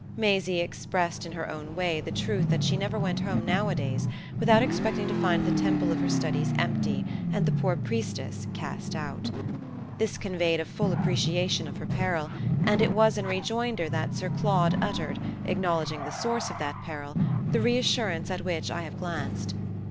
Maisie expressed in her own way the truth that she never went home nowadays without expecting to find the temple of her studies empty and the poor priestess cast out. This conveyed a full appreciation of her peril, and it was in rejoinder that Sir Claude uttered, acknowledging the source of that peril, the reassurance at which I have glanced.